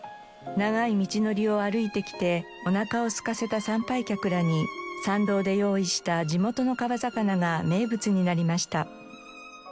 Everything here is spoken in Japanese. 長い道のりを歩いてきておなかをすかせた参拝客らに参道で用意した地元の川魚が名物になりました。